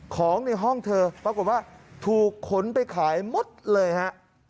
ของในห้องเธอปรากฏว่าถูกขนไปขายหมดเลยฮะ